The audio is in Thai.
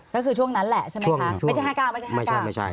ก็คือช่วงนั้นแหละใช่ไหมคะไม่ใช่๕๙